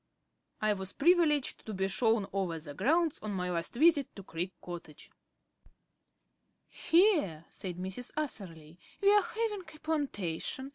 I was privileged to be shown over the grounds on my last visit to Creek Cottage. "Here," said Mrs. Atherley, "we are having a plantation.